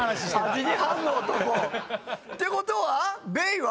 ８時半の男。って事はベイは？